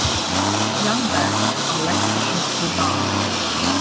Young birds are less distinctly barred.